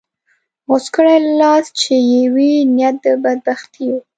غوڅ کړې لاس چې یې وي نیت د بدبختیو